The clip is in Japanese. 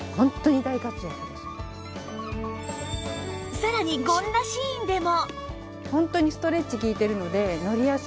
さらにこんなシーンでも